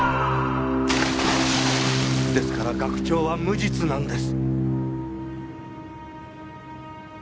ですから学長は無実なんです！